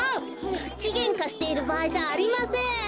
くちげんかしているばあいじゃありません。